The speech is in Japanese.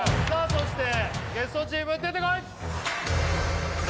そしてゲストチーム出てこい！